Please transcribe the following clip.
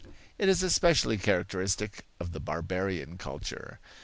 It is especially characteristic of the barbarian culture.